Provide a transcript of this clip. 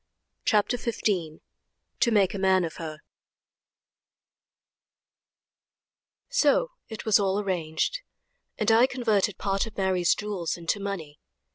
CHAPTER XV To Make a Man of Her So it was all arranged, and I converted part of Mary's jewels into money.